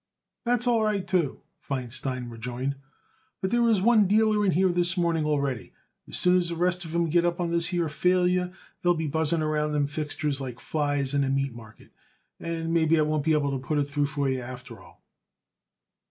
"That's all right, too," Feinstein rejoined; "but there was one dealer in here this morning already. As soon as the rest of 'em get on to this here failure they'll be buzzing around them fixtures like flies in a meat market, and maybe I won't be able to put it through for you at all."